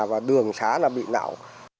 và đường xá là bị não